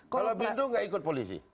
kalau bindung gak ikut polisi